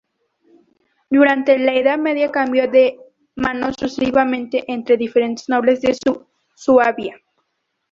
Durante la Edad Media cambió de manos sucesivamente entre diferentes nobles de Suabia.